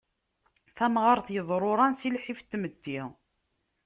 Tamɣart yeḍruran si lḥif n tmetti.